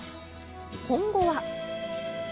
今後は。